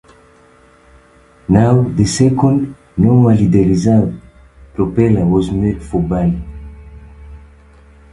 Now the second (normally the reserve) propeller was made for "Bali".